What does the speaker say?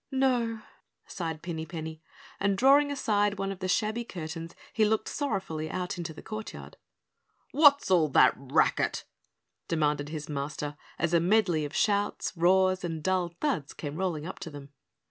"No," sighed Pinny Penny, and drawing aside one of the shabby curtains he looked sorrowfully out into the courtyard. "What's all that racket?" demanded his Master, as a medley of shouts, roars, and dull thuds came rolling up to them.